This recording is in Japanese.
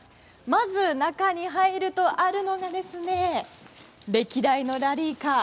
まず、中に入るとあるのが歴代のラリーカー。